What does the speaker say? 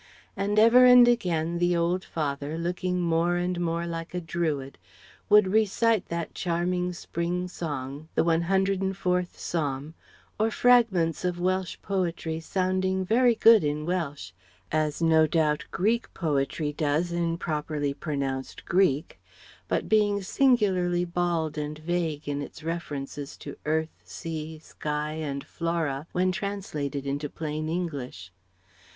And ever and again the old father, looking more and more like a Druid, would recite that charming Spring song, the 104th Psalm; or fragments of Welsh poetry sounding very good in Welsh as no doubt Greek poetry does in properly pronounced Greek, but being singularly bald and vague in its references to earth, sea, sky and flora when translated into plain English.